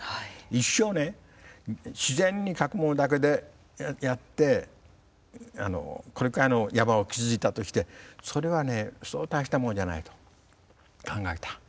一生自然に書くものだけでやってこれからの山を築いたとしてそれはねそう大したものじゃないと考えた。